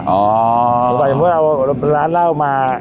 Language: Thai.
อย่างเมื่อเอาร้านเหล้ามา